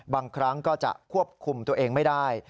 บางครั้งก็จะควบคุมตัวเองไม่ได้